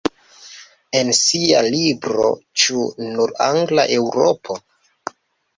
En sia libro "Ĉu nur-angla Eŭropo?